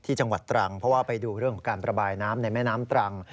จังหวัดตรังเพราะว่าไปดูเรื่องของการประบายน้ำในแม่น้ำตรัง